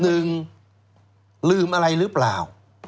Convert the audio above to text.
หนึ่งลืมอะไรหรือเปล่า